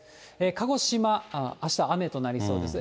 鹿児島、あしたは雨となりそうです。